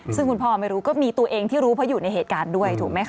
ซึ่งคุณพ่อไม่รู้ก็มีตัวเองที่รู้เพราะอยู่ในเหตุการณ์ด้วยถูกไหมคะ